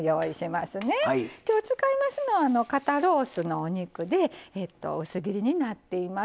今日、使いますのは肩ロースのお肉で薄切りになっています。